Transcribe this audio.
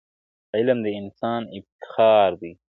علم د انسان افتخار دی.